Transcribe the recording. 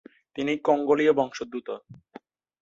তিনি কঙ্গোলীয় বংশোদ্ভূত।